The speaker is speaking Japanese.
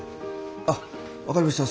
あっ分かりました。